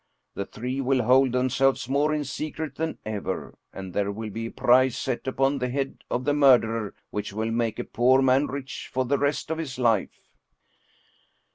The Three will hold themselves more in secret than ever, and there will be a price set upon the head of the murderer which will make a poor man rich for the rest of his life."